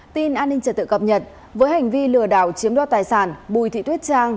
tin an ninh trật tự cập nhật với hành vi lừa đảo chiếm đo tài sản bùi thị tuyết trang